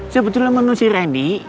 sebetulnya menurut si randy